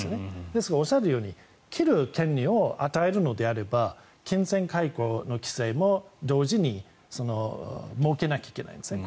ですがおっしゃるように切る権利を与えるのであれば金銭解雇の規制も同時に設けなければいけないんですね。